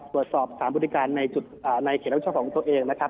ตรวจสอบสามารถบริการในเขตวิชาของตัวเองนะครับ